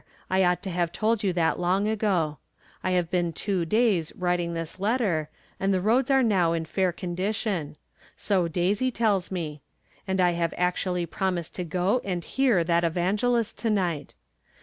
I ought to have told you that long ago. I have been two days writing this letter, and the roads are now ia fair condi 34 From Different Standpoints. tion ; so Daisy tells me ; and I have actuaUy promised to go and hear that evangelist to night.